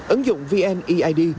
ứng dụng vneid